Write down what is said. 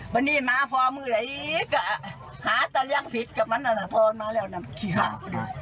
วันนี้ม้าพอเมื่อยก็หาตัวเลี้ยงผิดกับมันน่ะนะพอมาแล้วน่ะมันขี้หาว